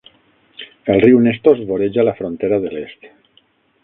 El riu Nestos voreja la frontera de l'est.